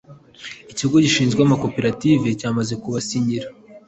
Ikigo gishinzwe amakoperative cyamaze kubasinyira